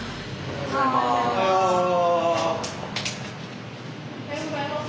おはようございます。